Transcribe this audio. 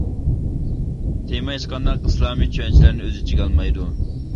تېما ھېچقانداق ئىسلامى چۈشەنچىلەرنى ئۆز ئىچىگە ئالمايدۇ.